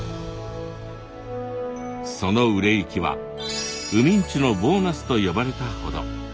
その売れ行きは海人のボーナスと呼ばれたほど。